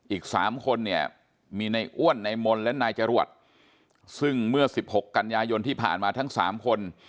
อีก๓คนเนี่ยมีในอ้วนในมนต์และนายจรวดซึ่งเมื่อ๑๖กันยายนที่ผ่านมาทั้ง๓คน